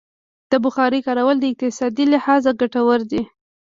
د بخارۍ کارول د اقتصادي لحاظه ګټور دي.